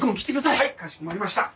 はいかしこまりました。